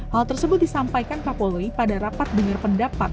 hal tersebut disampaikan kapolri pada rapat dengar pendapat